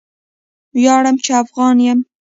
ویاړم چې افغان یم!